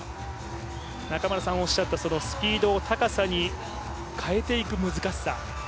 中村さんがおっしゃったスピードを高さに変えていく難しさ。